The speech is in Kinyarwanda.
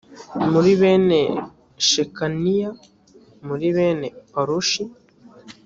muri bene shekaniya muri bene paroshi